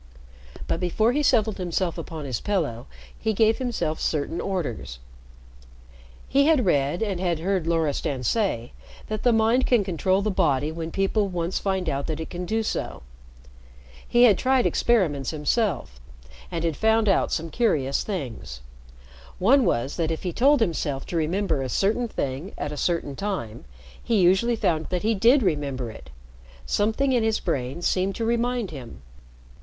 But before he settled himself upon his pillow he gave himself certain orders. He had both read, and heard Loristan say, that the mind can control the body when people once find out that it can do so. He had tried experiments himself, and had found out some curious things. One was that if he told himself to remember a certain thing at a certain time, he usually found that he did remember it. Something in his brain seemed to remind him.